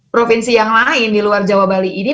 provinsi yang lain di luar jawa bali ini